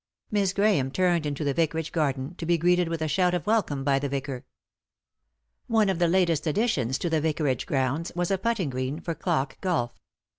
Miss Grahame turned into the vicar age garden — to be greeted with a shout of welcome by the vicar. One of the latest additions to the vicarage grounds was a putting green, for clock golf.